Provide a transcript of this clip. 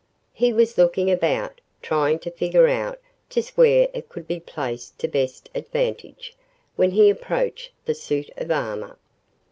He was looking about, trying to figure out just where it could be placed to best advantage, when he approached the suit of armor.